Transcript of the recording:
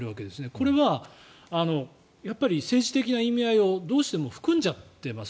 これは政治的な意味合いをどうしても含んじゃってます。